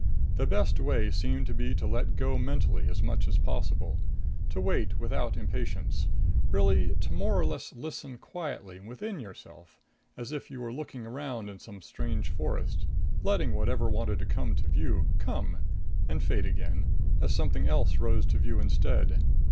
The best way seemed to be to let go mentally as much as possible; to wait without impatience, really to more or less listen quietly within yourself, as if you were looking around in some strange forest, letting whatever wanted to come to view come, and fade again, as something else rose to view instead.